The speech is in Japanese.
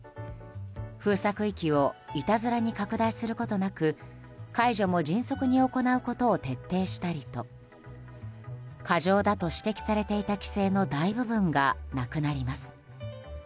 封鎖区域をいたずらに拡大することなく解除も迅速に行うことを徹底したりと過剰だと指摘されていた規制の大部分がなくなります。